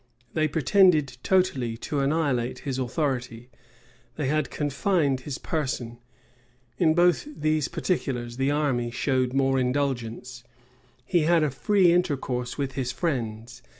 They pretended totally to annihilate his authority: they had confined his person. In both these particulars, the army showed more indulgence.[*] He had a free intercourse with his friends.